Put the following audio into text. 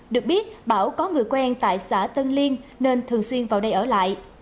được biết bảo có người quen tại xã tân liên nên thường xuyên vào đây ở lại